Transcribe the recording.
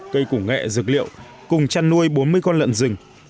cây củ nghệ dược liệu cùng chăn nuôi bốn mươi con lợn rừng